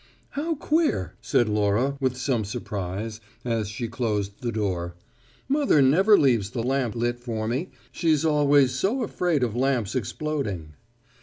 "How queer!" said Laura with some surprise, as she closed the door. "Mother never leaves the lamp lit for me; she's always so afraid of lamps exploding."